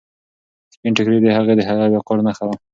سپین ټیکری د هغې د حیا او وقار نښه وه.